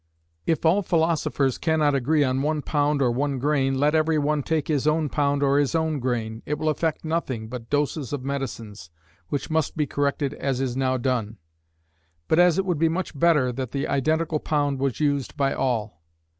If all philosophers cannot agree on one pound or one grain, let every one take his own pound or his own grain; it will affect nothing but doses of medicines, which must be corrected as is now done; but as it would be much better that the identical pound was used by all.